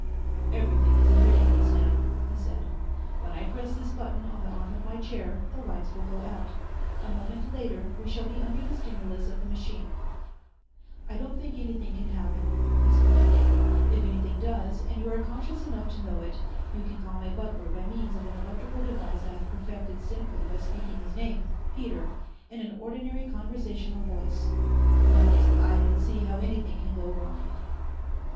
"Everything is in readiness now," he said. "When I press this button on the arm of my chair, the lights will go out. A moment later we shall be under the stimulus of the machine. I don't think anything can happen." He smiled. "If anything does, and you are conscious enough to know it, you can call my butler by means of an electrical device I have perfected simply by speaking his name, Peter, in an ordinary conversational voice. But I don't see how anything can go wrong."